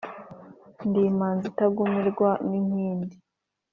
ndi imanzi itagumirwa n' inkindi